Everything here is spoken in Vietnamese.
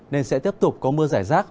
nên sẽ tiếp tục có mưa rải rác